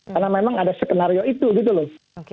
karena memang ada skenario itu gitu loh